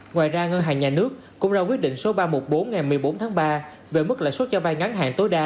ngoài ra ngân hàng nhà nước cũng ra quyết định số ba trăm một mươi bốn ngày một mươi bốn tháng ba về mức lãi suất cho vai ngắn hạn tối đa